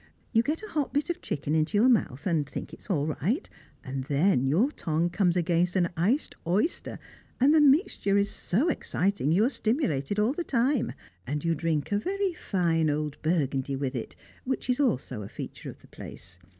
You get a hot bit of chicken into your mouth and think it is all right, and then your tongue comes against an iced oyster, and the mixture is so exciting you are stimulated all the time; and you drink a very fine old Burgundy with it, which is also a feature of the place.